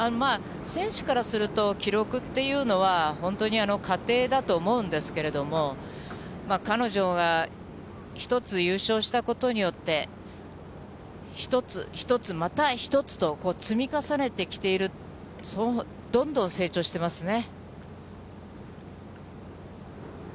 選手からすると、記録っていうのは、本当に過程だと思うんですけれども、彼女が１つ優勝したことによって、一つ、一つ、また一つと、積み重ねてきている、どんどん成長してますね。